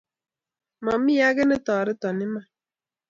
Mami age ne toreta iman;